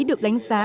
được đánh giá